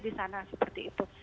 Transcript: disana seperti itu